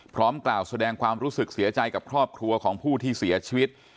พร้อมกล่าวแสดงความรู้สึกเสียใจกับครอบครัวของผู้ที่เสียชีวิต